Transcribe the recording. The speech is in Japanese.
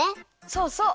そうそう！